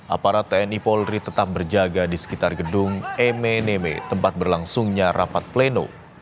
aparat tni polri tetap berjaga di sekitar gedung mnb tempat berlangsungnya rapat pleno